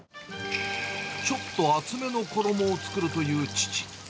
ちょっと厚めの衣を作るという父。